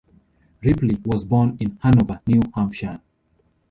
Ripley was born in Hanover, New Hampshire.